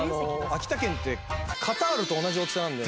秋田県ってカタールと同じ大きさなんで。